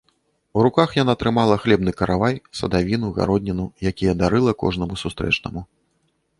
У руках яна трымала хлебны каравай, садавіну, гародніну, якія дарыла кожнаму сустрэчнаму.